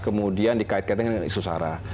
kemudian dikait kaitkan dengan isu sara